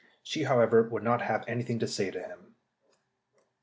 She, however, would not have anything to say to him.